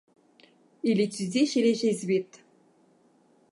Il étudie chez les jésuites.